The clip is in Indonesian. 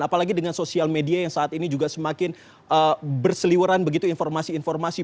apalagi dengan sosial media yang saat ini juga semakin berseliweran begitu informasi informasi